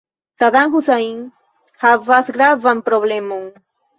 Sadam Husajn havas gravan problemon.